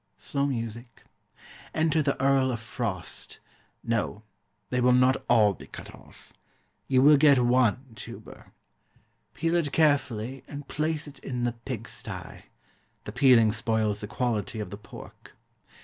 Slow music. Enter the Earl of Frost. No; they will not all be cut off. You will get one tuber. Peel it carefully, and place it in the pig stye the peeling spoils the quality of the pork.